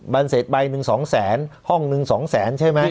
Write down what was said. บรรเศษใบ๑๒๐๐๐๐๐บาทห้อง๑๒๐๐๐๐๐บาทใช่มั้ย